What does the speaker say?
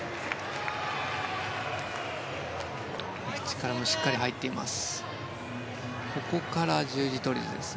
力もしっかり入っています。